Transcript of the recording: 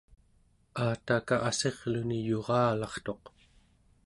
aataka assirluni yuralartuq